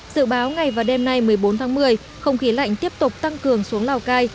dự báo ngày và đêm nay một mươi bốn tháng một mươi không khí lạnh tiếp tục tăng cường xuống lào cai